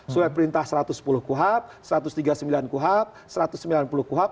sama perintah satu ratus sepuluh kuhab satu ratus tiga puluh sembilan kuhab satu ratus sembilan puluh kuhab